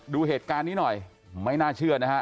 ดูเหตุการณ์นี้หน่อยไม่น่าเชื่อนะฮะ